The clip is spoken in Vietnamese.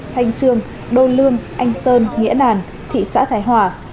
thanh trương đô lương anh sơn nghĩa đàn thị xã thái hòa